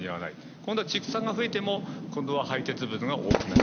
今度は畜産が増えても今度は排せつ物が多くなると。